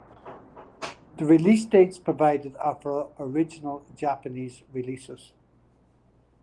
The release dates provided are for original Japanese releases.